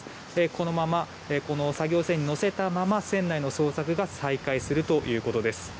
このまま作業船に乗せたまま船内の捜索が再開するということです。